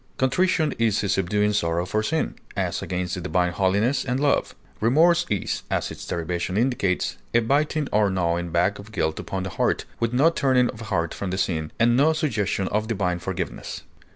Contrition is a subduing sorrow for sin, as against the divine holiness and love. Remorse is, as its derivation indicates, a biting or gnawing back of guilt upon the heart, with no turning of heart from the sin, and no suggestion of divine forgiveness.